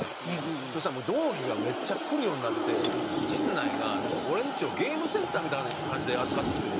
そしたらもう同期がめっちゃ来るようになって陣内がなんか俺んちをゲームセンターみたいな感じで扱ってきてて。